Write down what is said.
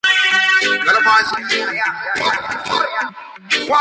Presenta una carúncula facial rojiza alrededor del ojo.